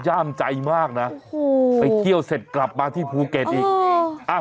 ย่ามใจมากนะไปเที่ยวเสร็จกลับมาที่ภูเก็ตอีก